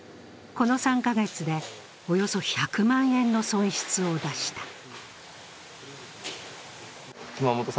この３カ月で、およそ１００万円の損失を出した。